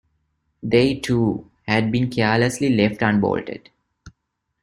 They, too, had been carelessly left unbolted.